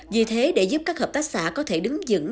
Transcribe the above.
vì thế để giúp các hợp tác xã có thể đứng dựng